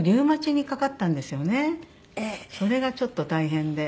それがちょっと大変で。